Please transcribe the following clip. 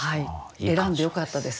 選んでよかったです